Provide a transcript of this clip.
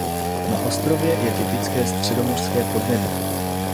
Na ostrově je typické středomořské podnebí.